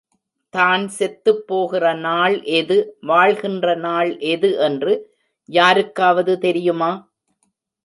தான் செத்துப் போகிற நாள் எது, வாழ்கின்ற நாள் எது என்று யாருக்காவது தெரியுமா?